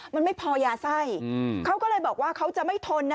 มันไม่พอยาไส้เขาก็เลยบอกว่าเขาจะไม่ทนนะ